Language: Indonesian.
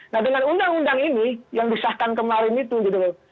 nah dengan undang undang ini yang disahkan kemarin itu gitu loh